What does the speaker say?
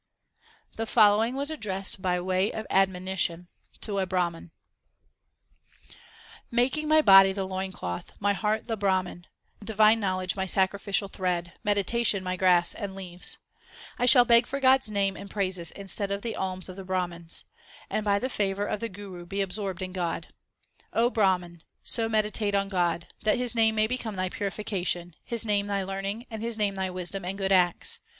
The following was addressed by way of admoni tion to a Brahman : Making my body the loin cloth, my heart the Brahman, Divine knowledge my sacrificial thread, meditation my grass 2 and leaves, I shall beg for God s name and praises instead of the alms of the Brahmans ; And by the favour of the Guru be absorbed in God. Brahman, so meditate on God That His name may become thy purification, His name thy learning, and His name thy wisdom and good acts.